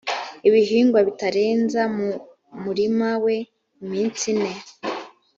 ibihingwa bitarenza mu murima we iminsi ine